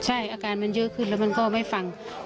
ใช่อาการมันเยอะขึ้นแล้วมันก็ไม่ฟัง